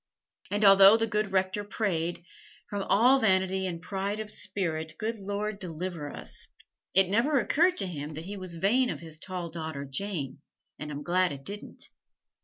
And although the good Rector prayed, "From all vanity and pride of spirit, good Lord, deliver us," it never occurred to him that he was vain of his tall daughter Jane, and I'm glad it didn't.